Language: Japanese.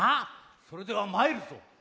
それではまいるぞ！